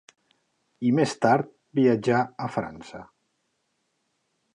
I més tard viatjà a França.